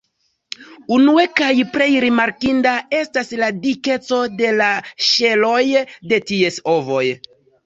Unue kaj plej rimarkinda estas la dikeco de la ŝeloj de ties ovoj.